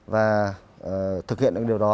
và thực hiện được điều đó